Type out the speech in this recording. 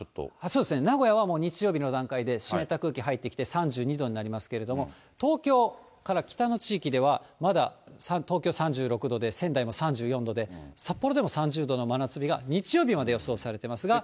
そうですね、名古屋はもう日曜日の段階で湿った空気入ってきて、３２度になりますけれども、東京から北の地域では、まだ東京３６度で、仙台も３４度で、札幌でも３０度の真夏日が日曜日まで予想されていますが。